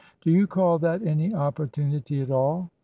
Do you call that any opportunity at all